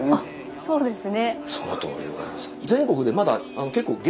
そうですね。